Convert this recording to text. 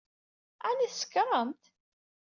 Ɛni tsekṛemt?